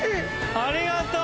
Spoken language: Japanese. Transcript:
ありがとう！